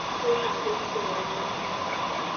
Twetaaga okukolera awamu.